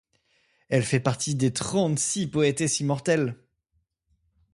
Elle fait partie des trente-six poétesses immortelles.